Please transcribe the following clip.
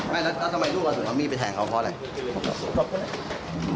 แล้วทำไมลูกของมันมีไปแทงเขาเพราะอะไร